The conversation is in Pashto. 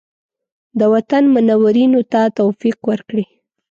د وطن منورینو ته توفیق ورکړي.